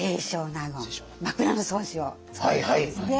「枕草子」を作った人ですね。